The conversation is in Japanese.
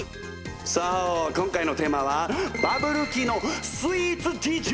そう今回のテーマはバブル期のスイーツ事情！